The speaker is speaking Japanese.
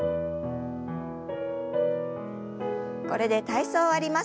これで体操を終わります。